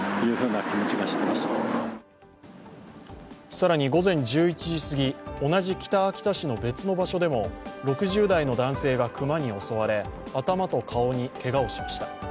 更に午前１１時すぎ、同じ北秋田市の別の場所でも６０代の男性が熊に襲われ頭と顔にけがをしました。